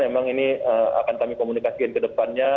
emang ini akan kami komunikasiin ke depannya